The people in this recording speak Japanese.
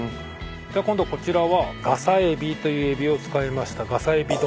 今度こちらはガサエビというエビを使いましたガサエビ丼。